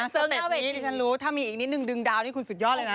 สเต็ปนี้ดิฉันรู้ถ้ามีอีกนิดนึงดึงดาวนี่คุณสุดยอดเลยนะ